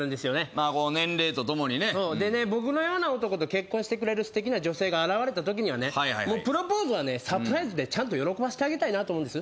まあ年齢とともにねうんでね僕のような男と結婚してくれるすてきな女性が現れたときにはねもうプロポーズはねサプライズでちゃんと喜ばせてあげたいなと思うんです